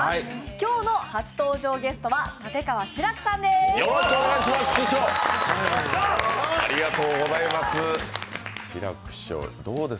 今日の初登場ゲストは立川志らくさんです。